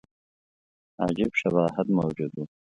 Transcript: عجیب شباهت موجود وو.